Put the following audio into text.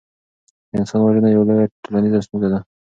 انسان وژنه یوه لویه ټولنیزه ستونزه ده.